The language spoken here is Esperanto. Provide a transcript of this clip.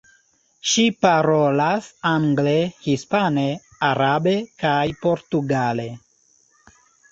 Ŝi parolas angle, hispane, arabe kaj portugale.